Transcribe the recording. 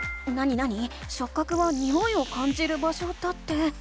なになに「しょっ角はにおいを感じる場所」だって。